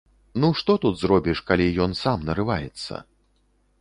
Ну што тут зробіш, калі ён сам нарываецца?